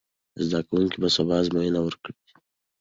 زده کوونکي به سبا ازموینه ورکوي.